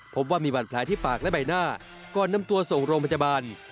พบว่ามีบาดแผลที่ปากและใบหน้าก่อนนำตัวส่งโรงพยาบาล